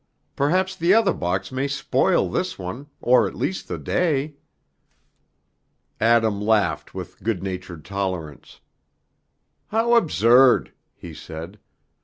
Perhaps the other box may spoil this one, or at least the day." Adam laughed with good natured tolerance. "How absurd!" he said.